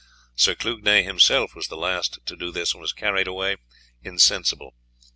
Sir Clugnet himself was the last to do this, and was carried away insensible.